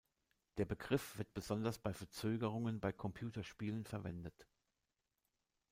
Der Begriff wird besonders bei Verzögerungen bei Computerspielen verwendet.